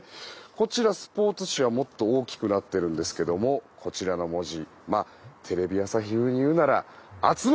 こちら、スポーツ紙はもっと大きくなっているんですがこちらの文字テレビ朝日風に言うなら「熱盛！